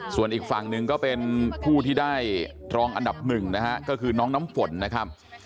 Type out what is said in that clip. ส่วนอีกฝั่งหนึ่งก็เป็นผู้ที่ได้รองอันดับหนึ่งนะฮะก็คือน้องน้ำฝนนะครับ